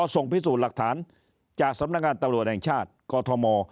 ส่งพิสูจน์หลักฐานจากสำนักงานตำรวจแห่งชาติกอทม